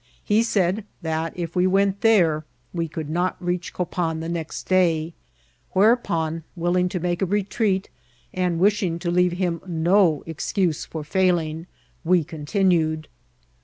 He said that if we went there we could not reach Copan the next day ; whereupon, willing to make a retreat, and wishing to leave him no excuse for failing, we continued.